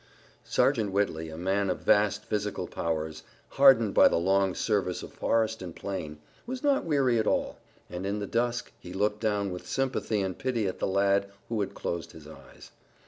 Sergeant Whitley, a man of vast physical powers, hardened by the long service of forest and plain, was not weary at all, and, in the dusk, he looked down with sympathy and pity at the lad who had closed his eyes.